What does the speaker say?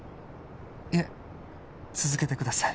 いえ続けてください